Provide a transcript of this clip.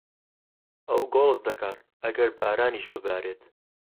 ئەو گۆڵف دەکات ئەگەر بارانیش ببارێت.